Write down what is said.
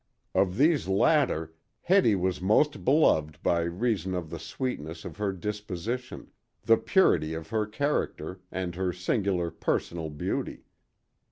Of these latter, Hetty was most beloved by reason of the sweetness of her disposition, the purity of her character and her singular personal beauty.